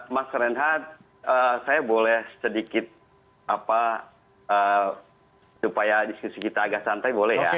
mas renhat saya boleh sedikit supaya diskusi kita agak santai boleh ya